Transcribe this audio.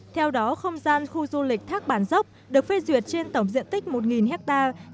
theo đó không gian khu du lịch thác bản dốc được phê duyệt trên tổng diện tích một hectare